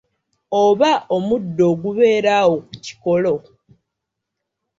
Oba omuddo ogubeera awo ku kikolo.